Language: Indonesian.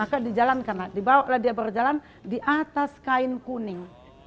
maka dijalankan dibawalah dia berjalan di atas kain kuning